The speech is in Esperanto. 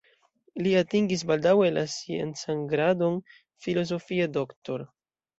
Li atingis baldaŭe la sciencan gradon PhD.